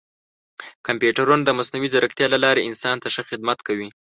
کمپیوټرونه د مصنوعي ځیرکتیا له لارې انسان ته ښه خدمت کوي.